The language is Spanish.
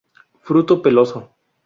Fruto peloso.